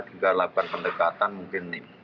tinggal lakukan pendekatan mungkin